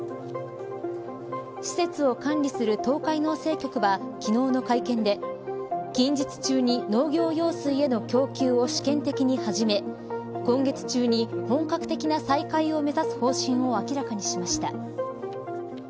施設を管理する東海農政局は昨日の会見で近日中に農業用水への供給を試験的に始め今月中に本格的な再開を目指す方針を明らかにしました。